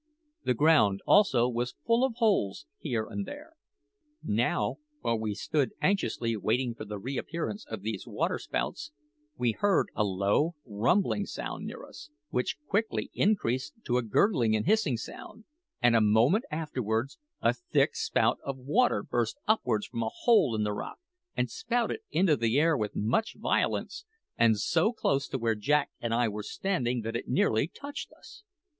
The ground, also, was full of holes here and there. Now, while we stood anxiously waiting for the reappearance of these waterspouts, we heard a low, rumbling sound near us, which quickly increased to a gurgling and hissing noise, and a moment afterwards a thick spout of water burst upwards from a hole in the rock and spouted into the air with much violence, and so close to where Jack and I were standing that it nearly touched us.